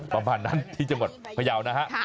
ประมาณนั้นที่จังหวัดพยาวนะฮะ